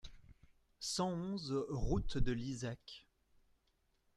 cent onze route de Lizac